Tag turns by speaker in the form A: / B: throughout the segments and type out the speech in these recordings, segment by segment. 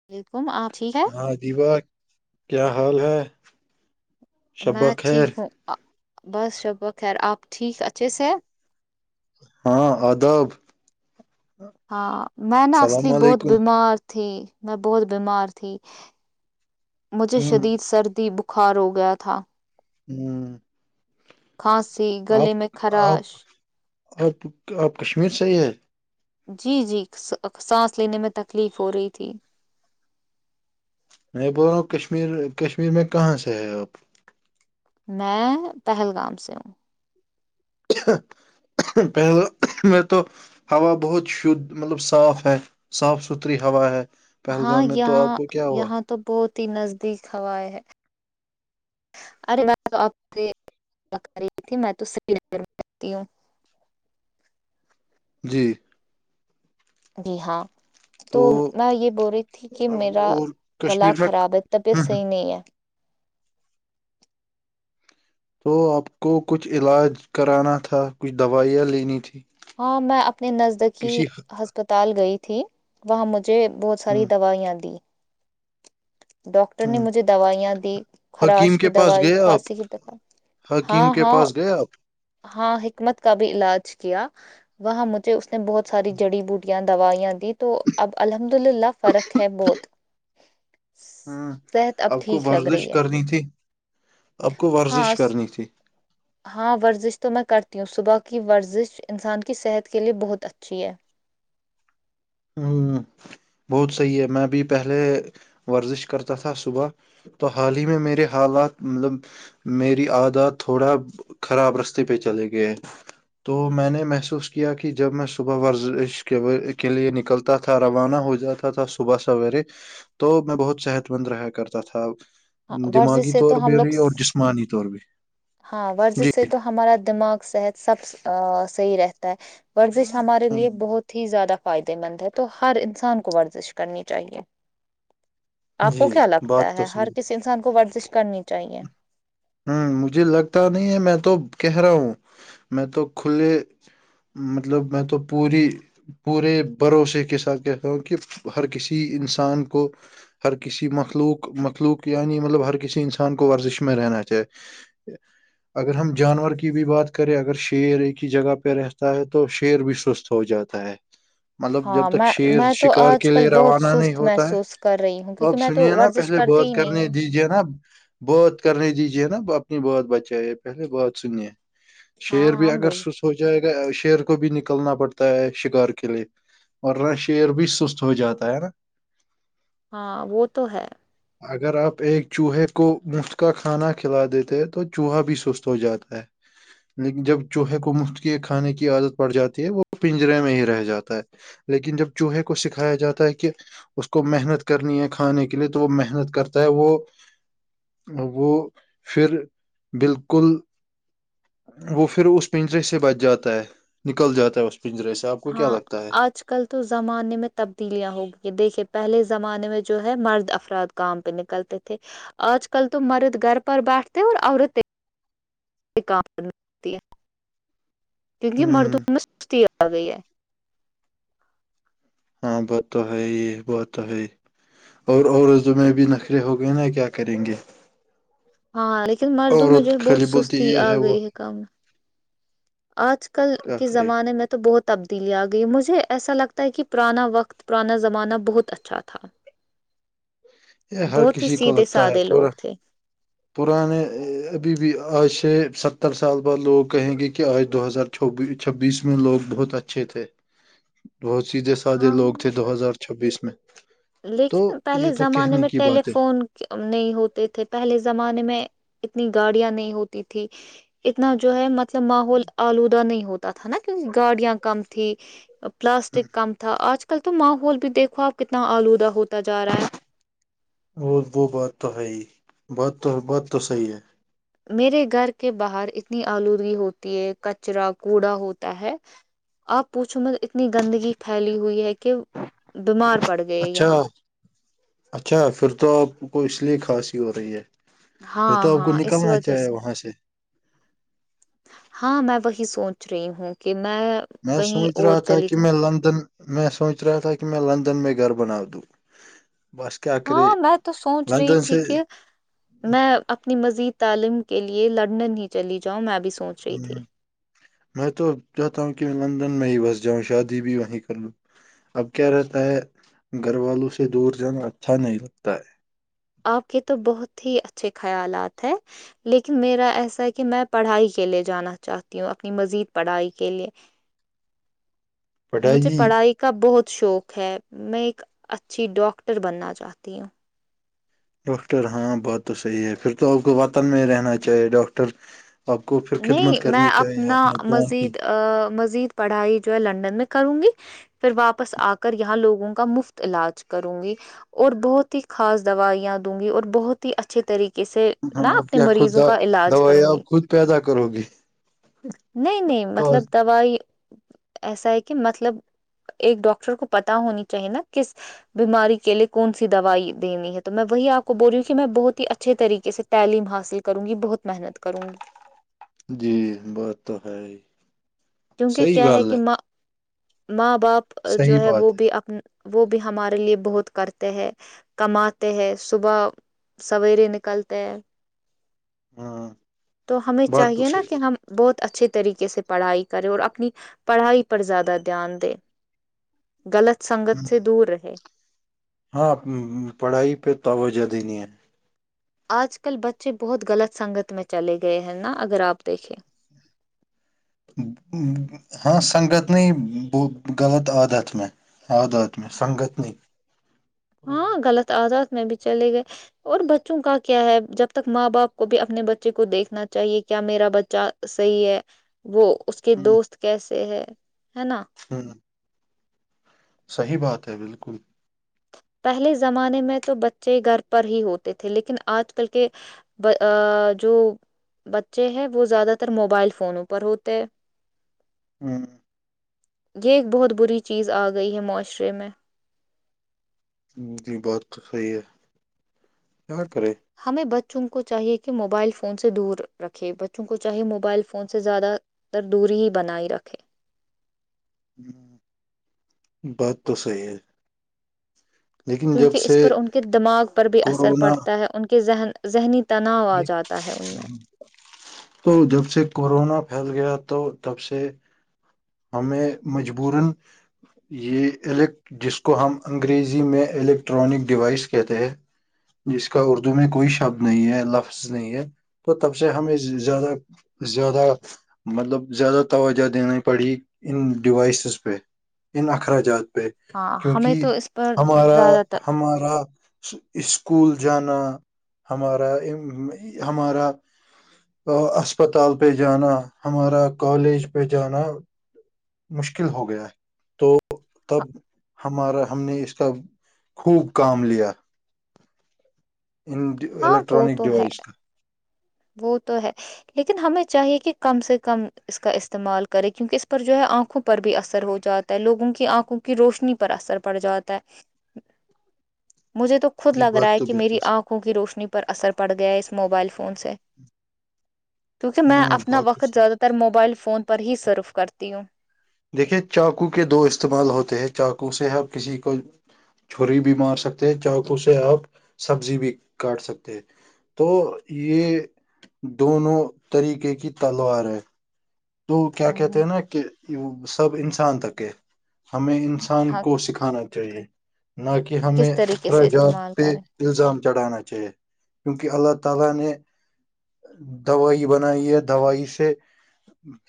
A: [unintelligible]
B: ہاں جیبا کیا حال ہے شبہ
A: میں
B: خیر
A: ٹھیک ہوں بس شبہ خیر آپ ٹھیک اچھے سے
B: ہاں ادب
A: ہاں میں نا
B: السلام
A: اصلی بہت
B: علیکم
A: بیمار تھی میں بہت بیمار تھی مجھے
B: ہوں
A: شدید سردی بخار ہو گیا تھا
B: ہوں
A: کھانسی
B: آپ
A: گلے میں
B: آپ
A: خراش
B: آپ آپ کشمیر سے ہی ہیں
A: جی جی سانس لینے میں تکلیف ہو رہی تھی
B: میں بول رہا ہوں کشمیر کشمیر میں کہاں سے ہے آپ
A: میں پہلگام سے ہوں
B: پہل میں تو ہوا بہت شھ مطلب صاف ہے صاف ستھری ہا ہے
A: ہاں
B: پہلگامں میں تو آپ
A: یہاں
B: کو کیا ہوا
A: یہاں تو بہت ہی نزدیک ہو ہے ارے بات آپ سے رہی تھی میں تو سری میں رہتی ہوں
B: جی
A: بہاں تو میں یہ بول رہی تھی کہ میرا
B: اور
A: گلا
B: کشمیر میں
A: خراب ہے
B: ہم،
A: طبیعت
B: ہم،
A: صحیح نہیں ہے
B: تو آپ کو کچھ علاج کرانا تھا کچھ دوائیاں لینی تھی
A: ہاں میں اپنے نزدکی
B: کسی
A: ہسپتال گئی تھی وہاں مجھے بہت
B: ہ
A: ساری دوائیاں دی ڈاکٹر
B: ہ
A: نے مجھے دوائیاں دی خراش
B: حکیم
A: کی
B: کے پاس
A: دوائی
B: گئے آپ
A: کاسی دا
B: حکیم کے پاس گئے آپ
A: ہاں حکمت کا بھی علاج کیا وہاں مجھے اس نے بہت ساری جڑی بوٹیاں دوائیاں دی تو اب الحمد للہ فرق ہے بہت
B: ہوں
A: صحت
B: اب کو
A: ٹھیک لگ
B: ورزش
A: رہی ہے
B: کرنی تھی اب کو ورزش
A: ہاں
B: کرنی تھی
A: ہاں ورزش تو میں کرتی ہوں صبح کی ورزش انسان کی صحت کے لیے بہت اچھی ہے
B: ہوں بہت صحیح ہے میں بھی پہلے ورزش کرتا تھا صبح تو حال ہی میں میرے حالات مطلب میری عادات تھوڑا خراب رستے پہ چلے گئے تو میں نے محسوس کیا کہ جب میں صبح ورزش کے لیے نک نکلتا تھا روانہ ہو جاتا تھا صبح سویرے تو میں بہت صحت مند رہا کرتا تھا
A: ہاں ورزش
B: دماغی
A: سے تو
B: طور
A: ہم
B: بھی
A: لوگ
B: رہی اور جس جمانی طور بھی
A: ہاں ورزش سے تو ہمارا دماغ صحت سب صحیح رہتا ہے ورزش ہمارے
B: جی
A: لیے بہت ہی زیادہ فائدے مند ہے تو ہر انسان کو ورزش کرنی چاہیے آپ کو
B: جی
A: کیا
B: بات
A: لگتا ہے
B: تو صحیح
A: ہر کسی انسان کو ورزش کرنی چاہیے
B: ہوں مجھے لگتا نہیں ہے میں تو کہہ رہا ہوں میں تو کھے مطلب میں تو پوری پورے بھروسے کے ساتھ کہتا ہوں کہ ہر کسی انسان کو ہر کسی مخلوق مخلوق یعنی مطلب ہر کسی انسان کو ورزش میںں رہنا چاہیے اچھا اگر ہم جانور کی بھی بات کریں اگر شعیر ایک ہی جگہ پہ رہتا ہے تو شعیر بھی سست ہو جاتا ہے مطلب جب
A: ہاں
B: تک
A: میں
B: شیر
A: میں تو
B: شکار
A: آج
B: کے
A: کل
B: لیے
A: بہت
B: روانہ نہیں
A: سست
B: ہوتا
A: محسوس کر رہی ہوں
B: ہے
A: کیونکہ
B: اب
A: میں تو
B: سنیے نا
A: ورزش
B: پہلے
A: کرتی
B: بات
A: ہی نہیں
B: کرنے
A: ہوں
B: دیجیے نا بات کرنے دیجے نا اپنی بات بچائے پہلے بات سنیے
A: ہاں
B: شیر بھی
A: ہاں
B: اگر
A: بول
B: سست ہو جائے گا شیر کو بھی نکلنا پڑتا ہے شکار کے لیے ورنہ شعیر بھی سست ہو جاتا ہے ہے نا
A: ہاں وہ تو ہے
B: اگر آپ ایک چوہے کو مفت کا کھانا کھلا دیتے ہیں تو چوہا بھی سست ہو جاتا ہے لیکن جب چوہے کو مفت کے کھانے کی عادت پڑ جاتی ہے وہ پنجرے میں ہی رہ جاتا ہے لیکن جب چوہے کو سکھایا جاتا ہے کہ اس کو محنت کرنی ہے کھانے کے لیے تو وہ محنت کرتا ہے وہ وہ پھر بالکل وہ پھر اس پنجرے سے بچ جاتا ہے نکل جاتا ہے اس پنجرے سے آپ کو کیا
A: ہاں
B: لگتا ہے
A: آج کل تو زمانے میں تبدیلیاں ہو گئی ہیں دیکھیے پہلے زمانے میں جو ہے مرد افراد کام پہ نکلتے تھے آج کل تو مرد گھر پر بیٹھتے اور عورتیں کام کرتی ہے کیونکہ
B: ہوں
A: مردوں میں سستی آ گئی ہے
B: ہاں تو ہے بت ہے اور اورض میں ا بھی نخرے ہو گئے نا کیا کریں گے
A: ہاں لیکن مردوں میں جو
B: عورت
A: ہے بہت
B: خالی بولتی
A: سستی
B: یہ
A: آ
B: وہ
A: گئی ہے کام آج کل
B: کیا
A: کے
B: کرے
A: زمانے میں تو بہت تبدیلی آ گئی مجھے ایسا لگتا ہے کہ پرانا وقت پرانا زمانہ بہت اچھا تھا
B: یہ ہر
A: بہت ہی
B: کسی کو
A: سیدھے
B: لگتا ہے
A: سادے
B: پورا
A: لوگ تھے
B: پرانے ابھی بھی آج سے ستر سال بعد لوگ کہیں گے کہ آج دو ہزار چس چھبیس میں لوگ بہت اچھے تھے بہت سیدھے سدے لوگ
A: ہاں
B: تھے دو ہزار چھبیس میں تو
A: لیکن
B: یہ
A: پہلے
B: تو
A: زمانے
B: کہنے
A: میں
B: کی بات ہے
A: ٹیلیفون نہیں ہوتے تھے پہلے زمانے میں اتنی گاڑیاں نہیں ہوتی تھی اتنا جو ہے مطلب ماحول آلودہ نہیں ہوتا تھا نا کیونکہ گاڑیاں کم تھی پلاسٹک کم تھا آج کل تو ماحول بھی دیکھو آپ کتنا آلودہ ہوتا جا رہا ہے
B: اور وہ بات تو ہےی بات تو بات تو صحیح ہے
A: میرے گھر کے باہر اتنی آلودگی ہوتی ہے کچرا کوڑا ہوتا ہے آپ پوچھو مت اتنی گندگی پھیلی ہوئی ہے کہ بیمار پڑ گئے
B: اچھا
A: یہاں
B: اچھا پھر تو آپ کو اس لیے خھاصی ہو رہی ہے تو تو
A: ہاں
B: آپ کو
A: ہاں اس
B: نکالنا
A: وجہ
B: چاہے وہاں سے
A: ہاں میں وہی سوچ رہی ہوں کہ میں
B: میں
A: کہیں
B: سوچ
A: اور
B: رہا تھا
A: چلی
B: کہ
A: جاؤں
B: میں لندن میں سوچ رہا تھا کہ میں لندن میں گھر بنا دوں بس کیا کرے
A: ہاں میں تو سوچ رہی
B: لندن
A: تھی
B: سے
A: کہ میں اپنی مزید تعلیم کے لیے لنڈن ہی چلی جاؤں میں بھی سوچ رہی تھی
B: میں تو چاہتا ہوں کہ لندن میں ہی بس جاؤں شادی بھی وہیں کر لوں اب کیا رہتا ہے گھر والوں سے دور جانا اچھا نہیں لگتا ہے
A: آپ کے تو بہت ہی اچھے خیالات ہیں لیکن میرا ایسا ہے کہ میں پڑھائی کے لے جانا چاہتی ہوں اپنی مزید پڑھائی کے لیے [inaudible]
B: [inaudible]
A: مجھے پڑھائی کا بہت شوق ہے میں ایک اچھی ڈاکٹر بننا چاہتی ہوں
B: ڈاکٹر ہاں بات تو صحیح ہے پھر تو آپ کو وطن میں رہنا چاہیے ڈاکٹر آپ کو پھر خدمت
A: نہیں میں
B: کرنی چاہیے
A: اپنا
B: اپنی قوم کی
A: مزید مزید پڑھائی جو ہے لنڈن میں کروں گی پھر واپس آ کر یہاں لوگوں کا مفت علاج کروں گی اور بہت ہی خاص دوائیاں دوں گی اور بہت ہی اچھے طریقے کس
B: ہاں،
A: نہ
B: آپ
A: اپنے
B: کیا خود
A: مریضوں
B: دا-
A: کا علاج
B: دوائی
A: کروں
B: آپ
A: گی
B: خود پیدا کرو گے
A: نہیں نہیں مطلب دوائی ایسا ہے کہ مطلب ایک ڈاکٹر کو پتا ہونی چاہیے نا کس بیماری کے لیے کون سی دوائی دینی ہے تو میں وہی آپ کو بول رہی ہوں کہ میں بہت ہی اچھے طریقے سے تعلیم حاصل کروں گی بہت محنت کروں گی
B: جی بات تو ہے ہی
A: کیونکہ
B: صحیح
A: کیا ہے
B: گال
A: کہ ماں ماں باپ
B: صحیح
A: جو ہے
B: بات
A: وہ بھی اپ وہ بھی ہمارے لیے بہت کرتے ہے کماتے ہے صبح سویرے نکلتے ہے
B: ہاں
A: تو ہمیں
B: بات تو
A: چاہیے نا
B: صحیح
A: کہ ہم بہت اچھے طریقے سے پڑھائی کرے اور اپنی پڑھائی پر زیادہ دھیان دے غلط سنگت
B: ہے۔
A: سے دور رہے
B: ہاں پڑھائی پہ توجہ دینی ہے
A: آج کل بچے بہت غلط سنگت میں چلے گئے ہیں نا اگر آپ دیکھیں
B: ہاں سنگت ن ب غلط عادت میں آدات میں سنگت نہیں
A: ہاں غلط عادات میں بھی چلے گئے اور بچوں کا کیا ہے جب تک ماں باپ کو بھی اپنے بچے کو دیکھنا چاہیے کیا میرا بچہ صحیح ہے وہ اس کے دوست کیسے ہے ہے نا
B: ہوں صحیح بات ہے بالکل
A: پہلے زمانے میں تو بچے گھر پر ہی ہوتے تھے لیکن آج کل کے جو بچے ہیں وہ زیادہ تر موبائل فونوں پر ہوتے
B: ہوں
A: یہ ایک بہت بری چیز آ گئی ہے معاشرے میں
B: جی بات تو صحیح ہے کیا کرے
A: ہمیں بچوں کو چاہیے کہ موبائل فون سے دور رکھے بچوں کو چاہے موبائل فون سے زیادہ تر دوری ہی بنائی رکھے
B: بات تو صحی ہے لیکن جب
A: کیونکہ اس
B: سے
A: پر ان کے دماغ پر بھی اثر
B: کورونا
A: پڑتا ہے ان کے ذہن ذہنی تناؤ آ جاتا ہے ان میں
B: تو جب سے کورونا پھیل گیا تو تب سے ہمیں مجبور ن یہ ال جس کو ہم انگریزی میں الیکٹرانک ڈیوائس کہتے ہیں جس کا اردو میں کوئی شبد نہیں ہے لفظ نہیں ہے تو تب سے ہمیں زیادہ زیادہ مطلب زیادہ توجہ دینے پڑھی ان ڈیوائسز پہ ان اخراجات پہ
A: ہاں ہمیں
B: کیونکہ
A: تو اس پر
B: ہمارا
A: زیادہ تر
B: ہمارا اسکول جانا ہمارا ہمارا اسپتال پہ جانا ہمارا کالج پہ جانا مشکل ہو گیا تو تب ہمارا ہم نے اس کا خوب کام لیا ان
A: ہاں وہ
B: الیکٹرانک
A: تو ہے
B: ڈیوائس کو
A: وہ تو ہے لیکن ہمیں چاہیے کہ کم سے کم اس کا استعمال کرے کیونکہ اس پر جو ہے آنکھوں پر بھی اثر ہو جاتا لوگوں کی آنکھوں کی روشنی پر اثر پڑ جاتا ہے
B: [inaudible]
A: مجھے تو خود
B: یہ
A: لگ رہا
B: بات
A: ہے
B: تو
A: کہ میری
B: بالکل
A: آنکھوں کی روشنی پر اثر پڑ گیا ہے اس موبائل فون سے
B: ہ
A: کیوںونکہ میں اپنا وقت زیادہ تر موبائل فون پر ہی سرف کرتی ہوں
B: دیکھیے چاقو کے دو استعمال ہوتے ہیں چاقو سے ہب کسی کو چھریی بھی مار سکتے ہیں چاہک اسے آپ سبزی بھی کاٹ سکتے ہیں تو یہ دونوں طریقے کی تلوار ہے تو کیا
A: ہوں
B: کہتے
A: ہوں
B: ہیں نا کہ سب انسان تک ہے ہمیں انسان
A: ہاں
B: کو سکھا کا چاہیے نہ کہ ہمیں
A: کس طریقے سے
B: طرجات
A: استعمال
B: سے
A: کریں
B: [inaudible] دوائی بنائی ہے دوائی سے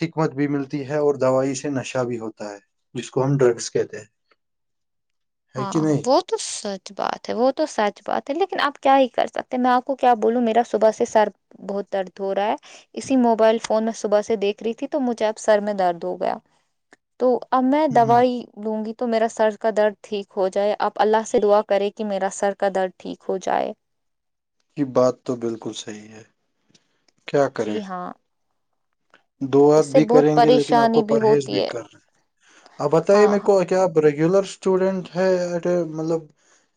B: حکمت بھی ملتی ہے اور دوائی سے نشہ بھی ہوتا ہے جس کو ہم ڈرگس کہتے ہیں [inaudible]
A: ہاں وہ تو سچ بات ہے وہ تو سچ بات ہے لیکن آپ کیا ہی کر سکتے ہیں میں آپ کو کیا بولوں میرا صبح سے سر بہت درد ہو رہا ہے اسی موبائل فون میں صبح سے دیکھ رہی تھی تو مجھے اب سر میں درد ہو گیا تو اب میں
B: ہوں،
A: دوائی لوں گی تو میرا سر کا درد ٹھیک ہو جائے آپ اللہ سے دعا کریں کہ میرا سر کا درد ٹھیک ہو جائے
B: یہ بات تو بالکل صحیح ہے
A: جی ہاں اس
B: دعات
A: سے
B: بھی
A: بہت
B: کریں گے لیکن آپ کو
A: پریشانی
B: پرہیز بھی
A: ہوتی ہے
B: کر رہے ہیں آپ بتائیے
A: ہاں
B: میرے کو کیا آپ ریگولر اسٹوڈینٹ ہے ایٹ ا مطلب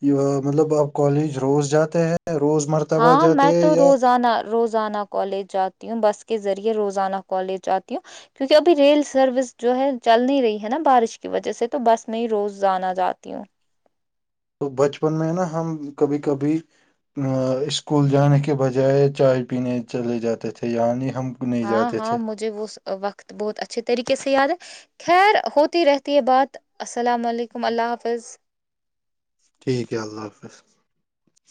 B: یہ مطلب اب کالج روز جاتے ہیں روز مر
A: ہاں میں تو روزانہ روز روزانہ کالج جاتی ہوں بس کے ذریعے روزانہ کالج جاتی ہوں کیونکہ ابھی ریل سروس جو ہے چل نہیں رہی ہے نا بارش کی وجہ سے تو بس میں ہی روز جانا جاتی ہوں
B: تو بچپن میں نا ہم کبھی کبھی اسکول جانے کے بجائے چائے پینے چلے جاتے تھے یعنی ہم نہیں
A: ہاں
B: جاتے
A: ہاں
B: تھے
A: مجھے وہ وقت بہت اچھے طریقے سے یاد ہے خیر ہوتی رہتی ہے بات السلام علیکم اللہ حافظ
B: ٹھیک ہے اللہ حافظ